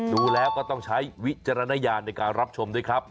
ดูแล้วก็ต้องใช้วิจารณญาณในการรับชมด้วยครับ